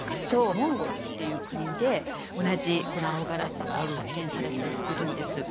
モンゴルっていう国で同じこの青ガラスが発見されているんです